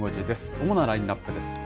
主なラインナップです。